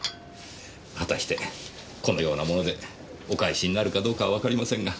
果たしてこのようなものでお返しになるかどうかはわかりませんが。